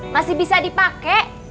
masih bisa dipake